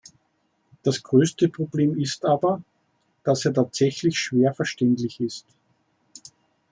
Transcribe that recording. Das größte Problem ist aber, dass er tatsächlich schwer verständlich ist.